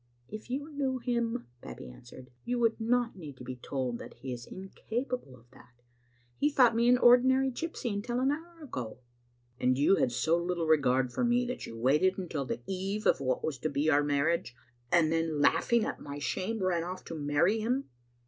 "If you knew him," Babbie answered, "you would not need to be told that he is incapable of that. He thought me an ordinary gypsy until an hour ago." " And you had so little regard for me that you waited until the eve of what was to be our marriage, and then, laughing at my shame, ran off to marry him."